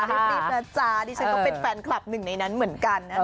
รีบนะจ๊ะดิฉันก็เป็นแฟนคลับหนึ่งในนั้นเหมือนกันนะคะ